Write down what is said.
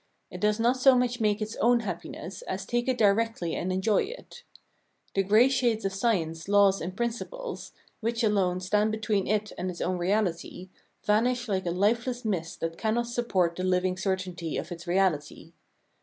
It does not so much make its own happiness as take it directly and enjoy it. The gray shades of science, laws and prin ciples, which alone stand between it and its own reality, vanish like a lifeless mist that cannot support the living certainty of its reahty.